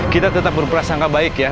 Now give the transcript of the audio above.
kita tetap berprasangka baik ya